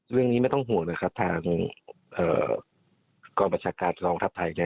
เรื่องนี้ไม่ต้องห่วงนะครับทางกรบัชการทรงทัพไทย